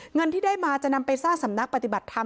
เงินที่ได้มาจะนำไปสร้างสำนักปฏิบัติธรรม